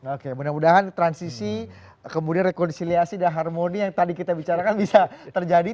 oke mudah mudahan transisi kemudian rekonsiliasi dan harmoni yang tadi kita bicarakan bisa terjadi